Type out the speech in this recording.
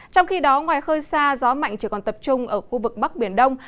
trong khi đó ngoài khơi xa gió mạnh chỉ còn tập trung ở khu vực bắc biển đông